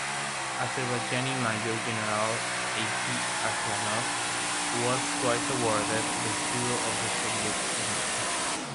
Azerbaijani Major-General Azi Aslanov was twice awarded the Hero of the Soviet Union.